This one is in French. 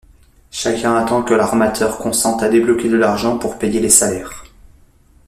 Chacun attend que l'armateur consente à débloquer de l'argent pour payer les salaires.